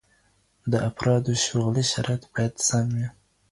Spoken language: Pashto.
د افرادو شغلي شرايط بايد سم وي.